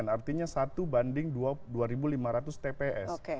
artinya satu banding dua lima ratus tps